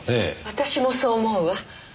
私もそう思うわ。